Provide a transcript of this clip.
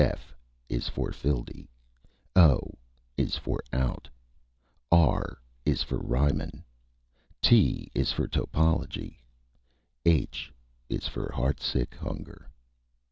F is for Phildee. O is for Out. R is for Reimann. T is for Topology. _H is for heartsick hunger.